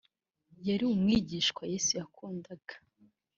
yari umwigishwa yesu yakundaga